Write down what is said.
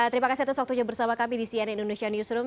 terima kasih atas waktunya bersama kami di cnn indonesia newsroom